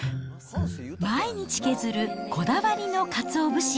毎日削るこだわりのかつお節。